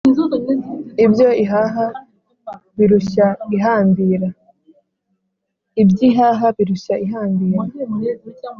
Ibyo ihaha birushya ihambira. [Iby’ihaha birushya ihambira.]